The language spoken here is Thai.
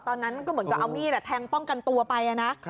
ตอนนั้นก็เหมือนกับเอามีดแทงป้องกันตัวไปนะ